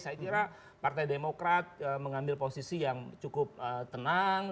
saya kira partai demokrat mengambil posisi yang cukup tenang